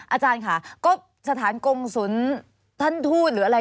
อาจารย์ค่ะก็สถานกงศูนย์ท่านทูตหรืออะไร